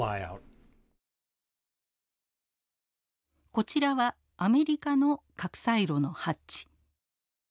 こちらはアメリカの核サイロのハッチ。